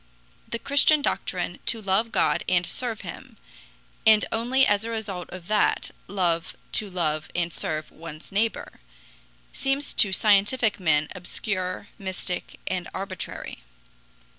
The Christian doctrine to love God and serve him, and only as a result of that love to love and serve one's neighbor, seems to scientific men obscure, mystic, and arbitrary.